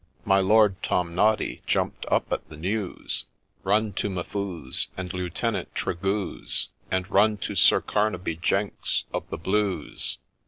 My Lord Tomnoddy jump'd up at the news, 'Run to M'Fuze, And Lieutenant Tregooze, And run to Sir Carnaby Jenks, of the Blues.